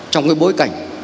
trong cái bối cảnh